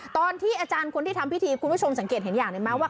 ตอนที่อาจารย์คนที่ทำพิธีคุณผู้ชมสังเกตเห็นอย่างหนึ่งไหมว่า